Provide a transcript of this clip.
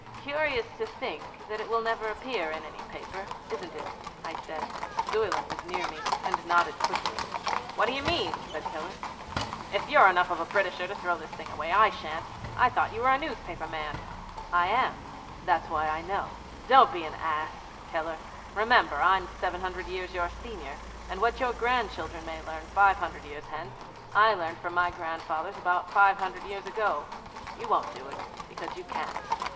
'Curious to think that it will never appear in any paper, isn't it? 'I said. Zuyland was near me, and he nodded quickly. 'What do you mean?' said Keller. 'If you're enough of a Britisher to throw this thing away, I shan't. I thought you were a newspaper man.' 'I am. That's why I know. Don't be an ass, Keller. Remember, I'm seven hundred years your senior, and what your grandchildren may learn five hundred years hence, I learned from my grandfathers about five hundred years ago. You won't do it, because you can't.'